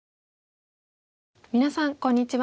皆さんこんにちは。